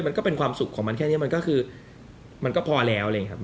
มันก็เป็นความสุขของมันแค่นี้มันก็คือมันก็พอแล้วเลยครับ